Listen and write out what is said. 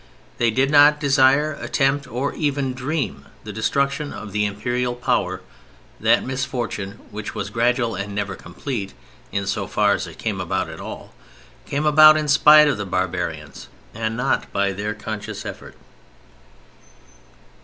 They did not desire, attempt, or even dream, the destruction of the Imperial power: that misfortune—which was gradual and never complete—in so far as it came about at all, came about in spite of the barbarians and not by their conscious effort.